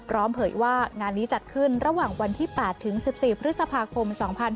เผยว่างานนี้จัดขึ้นระหว่างวันที่๘ถึง๑๔พฤษภาคม๒๕๕๙